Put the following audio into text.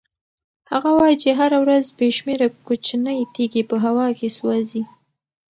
هغه وایي چې هره ورځ بې شمېره کوچنۍ تېږې په هوا کې سوځي.